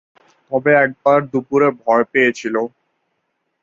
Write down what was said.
তবে একবার দুপুরে ভয় পেয়েছিল।